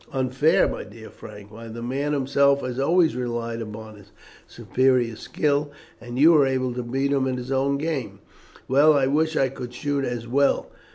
"Unfair, my dear Frank! why the man himself had always relied upon his superior skill, and you were able to beat him at his own game. Well, I wish I could shoot as well.